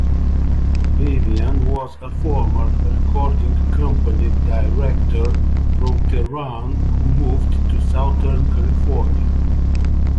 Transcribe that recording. Bibiyan was a former recording company director from Tehran who moved to Southern California.